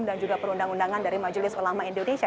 dan juga perundang undangan dari majulis ulama indonesia